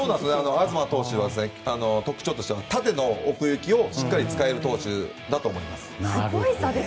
東投手の特徴としては縦の奥行きをしっかり使える投手だと思います。